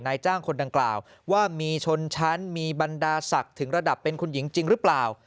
นายจ้างคนดังกล่าวว่ามีชนชั้นมีบรรดาศักดิ์ถึงระดับเป็นคุณหญิงจริงหรือเปล่า